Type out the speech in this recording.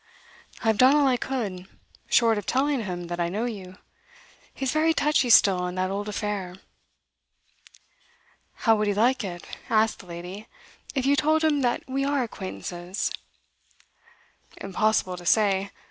'I have done all I could, short of telling him that I know you. He's very touchy still on that old affair.' 'How would he like it,' asked the lady, 'if you told him that we are acquaintances?' 'Impossible to say.